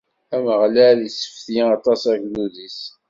Ameɣlal issefti aṭas agdud-is.